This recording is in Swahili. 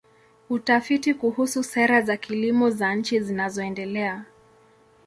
Utafiti kuhusu sera za kilimo za nchi zinazoendelea.